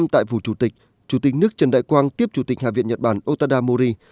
tại phủ chủ tịch chủ tịch nước trần đại quang tiếp chủ tịch hạ viện nhật bản otada mori